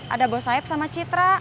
ada buah saeb sama citra